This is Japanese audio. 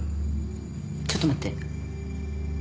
ちょっと待って。